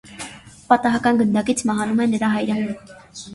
Պատահական գնդակից մահանում է նրա հայրը։